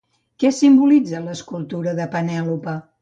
Què simbolitza l'escultura de Penèlope?